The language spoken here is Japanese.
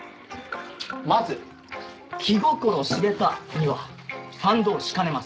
まず「気心知れた」には賛同しかねます